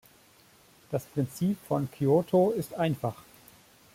Das Prinzip von Kyoto ist einfach.